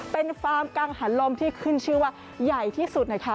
เป็นฟาร์มกังหันลมที่ขึ้นชื่อว่าใหญ่ที่สุดนะคะ